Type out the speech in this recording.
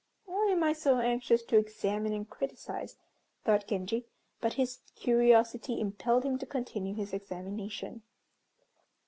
"Why am I so anxious to examine and criticise?" thought Genji, but his curiosity impelled him to continue his examination.